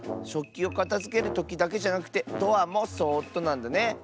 しょっきをかたづけるときだけじゃなくてドアもそっとなんだね。